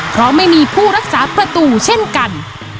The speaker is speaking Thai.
เพราะไม่มีผู้รักษาประตูเช่นกัน